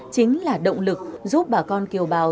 chính là động lực giúp bà con kiều bào